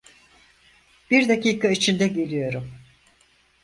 Bir dakika içinde geliyorum.